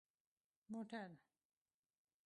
🚘 موټر